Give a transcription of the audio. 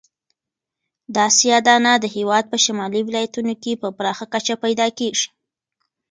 دا سیاه دانه د هېواد په شمالي ولایتونو کې په پراخه کچه پیدا کیږي.